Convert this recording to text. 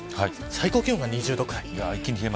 最高気温が２０度ぐらい。